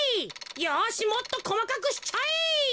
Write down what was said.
よしもっとこまかくしちゃえ。